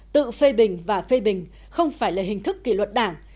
tự phê bình và phê bình không phải là hình thức kỷ luật đảng